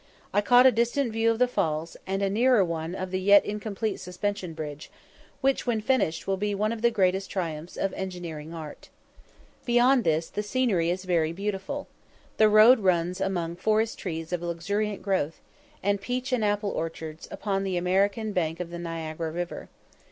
I caught a distant view of the falls, and a nearer one of the yet incomplete suspension bridge, which, when finished, will be one of the greatest triumphs of engineering art. Beyond this the scenery is very beautiful. The road runs among forest trees of luxuriant growth, and peach and apple orchards, upon the American bank of the Niagara river.